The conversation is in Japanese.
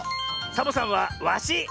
サボさんはワシ！